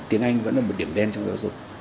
tiếng anh vẫn là một điểm đen trong giáo dục